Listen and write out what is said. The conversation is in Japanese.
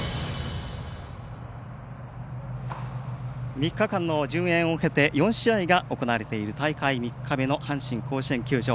３日間の順延を経て４試合が行われている大会３日目の阪神甲子園球場。